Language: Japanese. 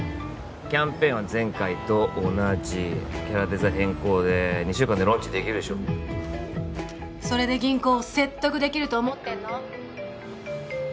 キャンペーンは前回と同じキャラデザ変更で２週間でローンチできるでしょそれで銀行を説得できると思ってんの？